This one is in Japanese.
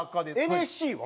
ＮＳＣは。